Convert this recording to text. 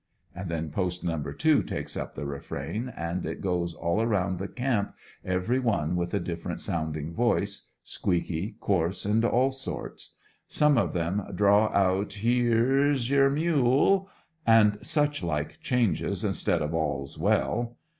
And then Post No. 2 takes up the refrain, and it goes all around the camp, every one with a different sounding voice, squeaky, coarse, and all sorts. Some of them drawl out "H e r e 's y e r m u l e!" and such like changes, instead of "AlFs well.'